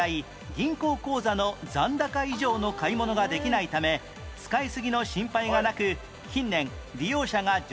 銀行口座の残高以上の買い物ができないため使いすぎの心配がなく近年利用者が徐々に増えている